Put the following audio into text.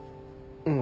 うん。